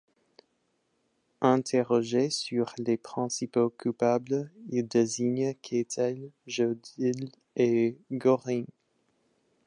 Interrogé sur les principaux coupables, il désigne Keitel, Jodl et Göring.